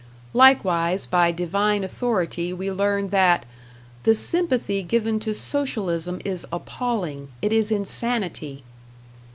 Likewise by divine authority we learn that "the sympathy given to Socialism is appalling. It is insanity."